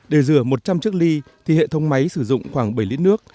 để rửa một trăm linh chiếc ly thì hệ thống máy sử dụng khoảng bảy lít nước